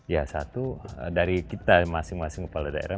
ya satu dari kita masing masing kepala daerah